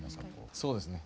そうですね。